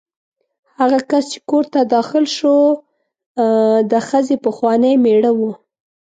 هغه کس چې کور ته داخل شو د ښځې پخوانی مېړه و.